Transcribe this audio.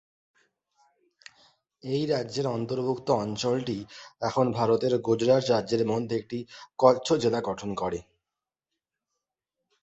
এই রাজ্যের অন্তর্ভুক্ত অঞ্চলটি এখন ভারতের গুজরাট রাজ্যের মধ্যে একটি কচ্ছ জেলা গঠন করে।